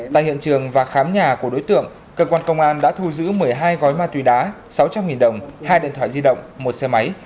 tại hiện trường và khám nhà của đối tượng cơ quan công an đã thu giữ một mươi hai gói ma túy đá sáu trăm linh đồng hai điện thoại di động một xe máy